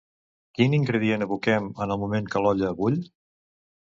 Quin ingredient aboquem en el moment que l'olla bull?